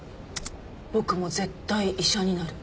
「僕も絶対医者になる！」